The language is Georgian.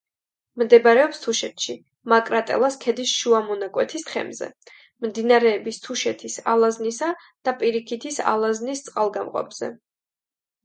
მდებარეობს თუშეთში, მაკრატელას ქედის შუა მონაკვეთის თხემზე, მდინარეების თუშეთის ალაზნისა და პირიქითის ალაზნის წყალგამყოფზე.